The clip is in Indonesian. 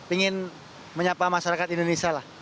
ingin menyapa masyarakat indonesia lah